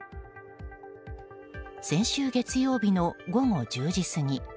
先週月曜日の午後１０時過ぎ。